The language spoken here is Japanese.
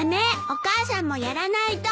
お母さんもやらないと。